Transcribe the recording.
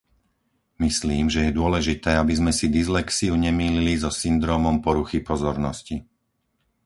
Myslím, že je dôležité, aby sme si dyslexiu nemýlili so syndrómom poruchy pozornosti.